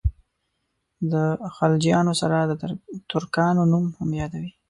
د خلجیانو سره د ترکانو نوم هم یادوي.